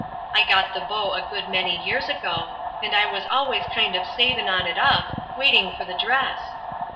I got the bow a good many years ago, and I was always kind of savin' on it up, waiting for the dress."